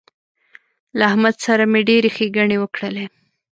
له احمد سره مې ډېرې ښېګڼې وکړلې